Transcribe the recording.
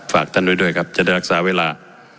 ฝากท่านไว้ด้วยครับจะได้รักษาเวลา